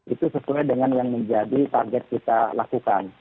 itu sesuai dengan yang menjadi target kita lakukan